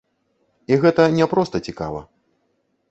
І гэта не проста цікава.